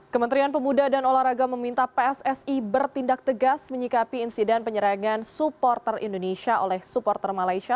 kementerian pemuda dan olahraga meminta pssi bertindak tegas menyikapi insiden penyerangan supporter indonesia oleh supporter malaysia